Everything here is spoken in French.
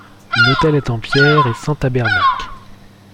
L'autel est en pierre et sans tabernac.